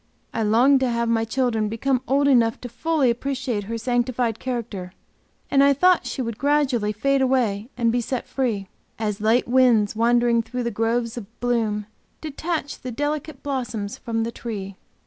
I longed to have my children become old enough to fully appreciate her sanctified character; and I thought she would gradually fade away and be set free, As light winds wandering through groves of bloom, Detach the delicate blossoms from the tree.